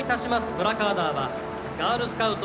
プラカーダーはガールスカウト